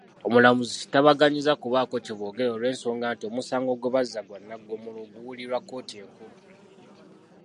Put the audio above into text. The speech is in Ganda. Omulamuzi tabaganyizza kubaako kyeboogera olw'ensonga nti omusango gwe bazza gwa Nnaggomola oguwulirwa kkooti enkulu.